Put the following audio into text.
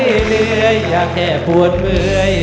เหนื่อยอย่าแค่ปวดเมื่อย